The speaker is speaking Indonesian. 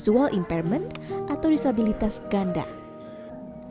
siswanya saat ini berjumlah sepuluh orang diantaranya penyandang disabilitas netra dengan gangguan autisme